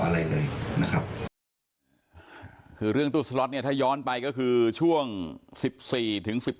อะไรเลยนะครับคือเรื่องตู้สล็อตเนี่ยถ้าย้อนไปก็คือช่วง๑๔ถึง๑๘